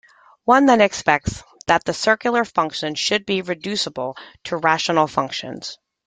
One then expects that the "circular functions" should be reducible to rational functions.